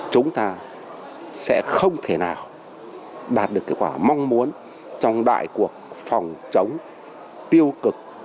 chúng ta sẽ không thể nào đạt được kết quả mong muốn trong đại cuộc phòng chống tiêu cực